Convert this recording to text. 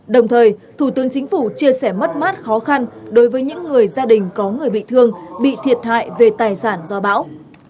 đồng thời thủ tướng chính phủ chia sẻ mất mát khó khăn đối với những người gia đình có người bị thương bị thiệt hại về tài sản do bão